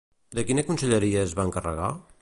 De quina conselleria es va encarregar?